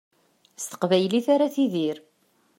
S teqbaylit ara tidir.